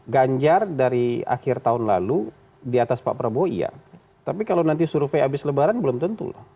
ganjar dari akhir tahun lalu di atas pak prabowo iya tapi kalau nanti survei habis lebaran belum tentu loh